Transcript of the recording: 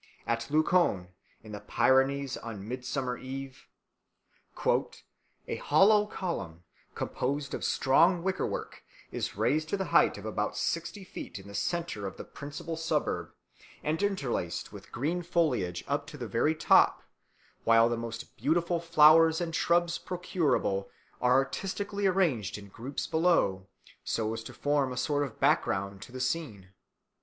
At Luchon in the Pyrenees on Midsummer Eve "a hollow column, composed of strong wicker work, is raised to the height of about sixty feet in the centre of the principal suburb, and interlaced with green foliage up to the very top; while the most beautiful flowers and shrubs procurable are artistically arranged in groups below, so as to form a sort of background to the scene.